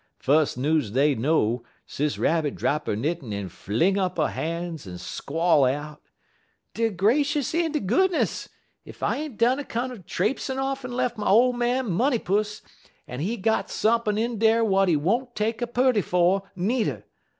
Fus' news dey know Sis Rabbit drap 'er knittin' en fling up 'er han's en squall out: "'De gracious en de goodness! Ef I ain't done come traipsin' off en lef' my ole man money pus, en he got sump'n' in dar w'at he won't take a purty fer, needer!